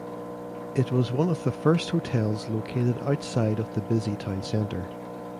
It was one of the first hotels located outside of the busy town centre.